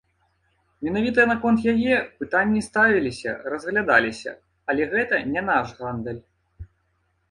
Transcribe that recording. Менавіта наконт яе пытанні ставіліся, разглядаліся, але гэта не наш гандаль.